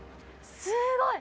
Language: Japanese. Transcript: すごい！